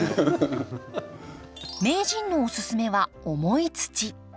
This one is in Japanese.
名人のおすすめは重い土。